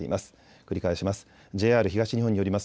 繰り返します。